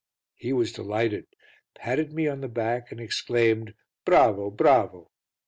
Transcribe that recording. He was delighted, patted me on the back and exclaimed, "Bravo, bravo!"